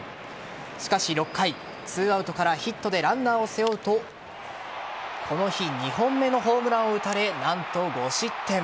しかし６回、２アウトからヒットでランナーを背負うとこの日、２本目のホームランを打たれ何と５失点。